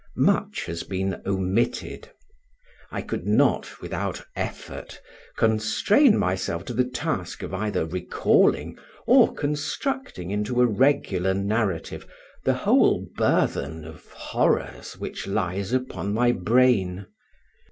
Much has been omitted. I could not, without effort, constrain myself to the task of either recalling, or constructing into a regular narrative, the whole burthen of horrors which lies upon my brain.